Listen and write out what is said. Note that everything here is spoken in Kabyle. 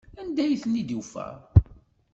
Anda ay ten-id-tufa?